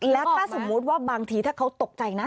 แล้วถ้าสมมุติว่าบางทีถ้าเขาตกใจนะ